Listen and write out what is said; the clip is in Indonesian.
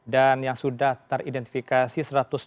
dan yang sudah teridentifikasi satu ratus enam puluh lima